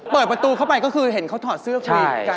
เปิดประตูเข้าไปก็คือเห็นเขาถอดเสื้อคุยกัน